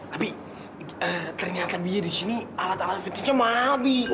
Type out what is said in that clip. abi ternyata biar di sini alat alat vintage nya mahal bi